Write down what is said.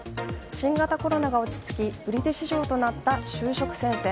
新型コロナが落ち着き売り手市場となった就職戦線。